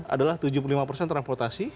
adalah tujuh puluh lima persen transportasi